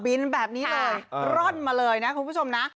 บินแบบนี้เลยร่อนมาเลยนะคุณผู้ชมนะ